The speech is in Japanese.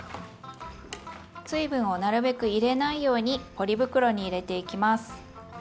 水分をなるべく入れないようにポリ袋に入れていきます。